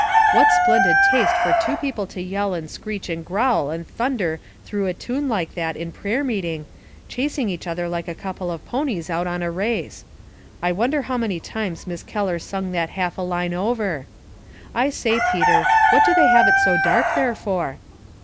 What splendid taste 74 Household Puzzles. for two people to yell and screech and grc wl and thunder through a tune like that in prayer meet ing, chasing each other like a couple of ponies out on a race. I wonder how many times Miss Keller sung that half a line over ? I say, Peter, what do they have it so dark there for